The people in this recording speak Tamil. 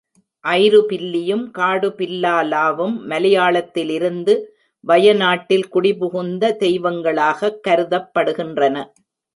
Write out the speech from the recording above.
ஐருபில்லியும், காடுபில்லாலாவும் மலையாளத்திலிருந்து வயநாட்டில் குடிபுகுந்த தெய்வங்களாகக் கருதப்படுகின்றன.